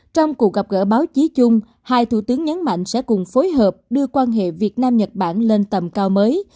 trong cuộc gặp gỡ báo chí chung hai thủ tướng nhấn mạnh sẽ cùng phối hợp đưa quan hệ việt nam nhật bản lên tầm cao mới